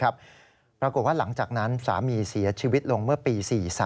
ปรากฏว่าหลังจากนั้นสามีเสียชีวิตลงเมื่อปี๔๓